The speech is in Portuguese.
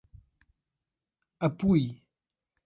Apuí